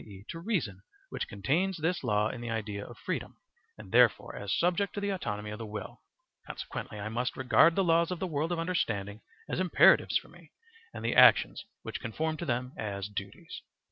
e., to reason, which contains this law in the idea of freedom, and therefore as subject to the autonomy of the will: consequently I must regard the laws of the world of understanding as imperatives for me and the actions which conform to them as duties.